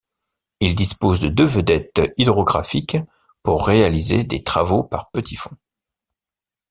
Il dispose de deux vedettes hydrographiques pour réaliser des travaux par petits fonds.